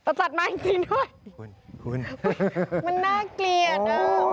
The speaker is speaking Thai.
ประจัดมาอีกทีหน่อยมันน่าเกลียดอ่ะ